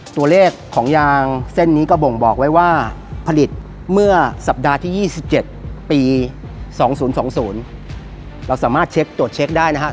ตัวเลขของยางเส้นนี้ก็บ่งบอกไว้ว่าผลิตเมื่อสัปดาห์ที่ยี่สิบเจ็ดปีสองศูนย์สองศูนย์เราสามารถเช็กตรวจเช็กได้นะฮะ